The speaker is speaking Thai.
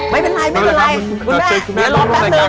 ไม่เป็นไรคุณแม่เดี๋ยวรอแป๊บหนึ่ง